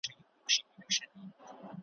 هغه پوهېدئ